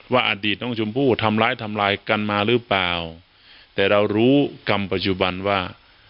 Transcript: อดีตน้องชมพู่ทำร้ายทำลายกันมาหรือเปล่าแต่เรารู้กรรมปัจจุบันว่า